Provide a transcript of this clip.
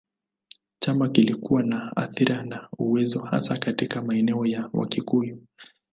Chama kilikuwa na athira na uwezo hasa katika maeneo ya Wakikuyu.